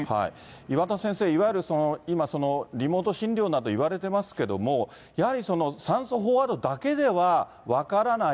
岩田先生、いわゆる今、リモート診療などいわれてますけども、やはり酸素飽和度だけでは、分からない